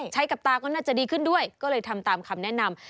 กับตาก็น่าจะดีขึ้นด้วยก็เลยทำตามคำแนะนำ